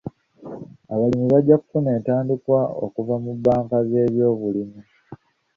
Abalimi bajja kufuna entandikwa okuva mu bbanka z'ebyobulimi.